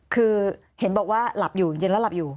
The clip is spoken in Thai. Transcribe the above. คือเห็นบอกว่าหลับอยู่จริงแล้วหลับอยู่